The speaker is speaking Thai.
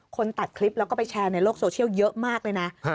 ตัดคลิปแล้วก็ไปแชร์ในโลกโซเชียลเยอะมากเลยนะ